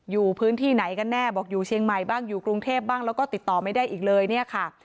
อยู่พื้นที่ไหนกันแน่บอกอยู่เชียงใหม่บ้างอยู่กรุงเทพบ้างแล้วก็ติดต่อไม่ได้อีกเลยเนี่ยค่ะ